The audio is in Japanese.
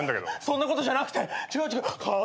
そんなことじゃなくて違う違う。